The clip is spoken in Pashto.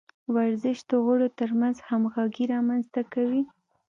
ورزش د غړو ترمنځ همغږي رامنځته کوي.